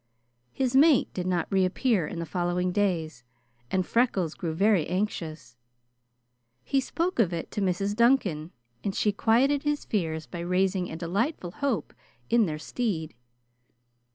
His mate did not reappear in the following days, and Freckles grew very anxious. He spoke of it to Mrs. Duncan, and she quieted his fears by raising a delightful hope in their stead.